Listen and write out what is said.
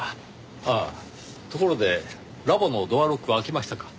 ああところでラボのドアロックは開きましたか？